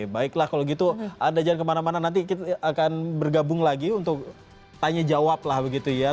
baiklah kalau gitu anda jangan kemana mana nanti kita akan bergabung lagi untuk tanya jawab lah begitu ya